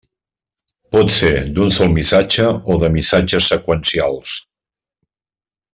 Pot ser d'un sol missatge o de missatges seqüencials.